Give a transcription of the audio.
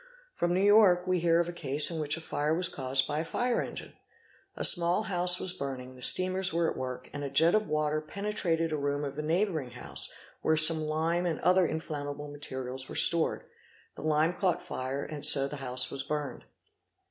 From New York we hear of a case in which a fire was caused by a fire engine. A small house was burning, the steamers were at work, and a jet of water penetrated a room of a neighbouring house where some lime and other inflammable materials were stored: the lime caught fire and so the house was burned.